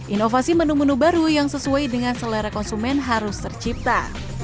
inovasi menu menu baru yang sesuai dengan selera konsumen harus tercipta